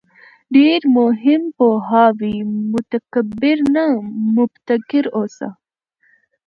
ډېر مهم پوهاوی: متکبِّر نه، مُبتَکِر اوسه